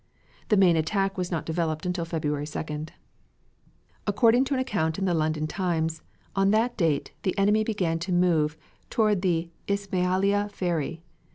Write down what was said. The main attack was not developed until February 2d. According to an account in the London Times, on that date, the enemy began to move toward the Ismailia Ferry.